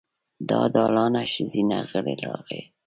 له دالانه ښځينه غږ راغی.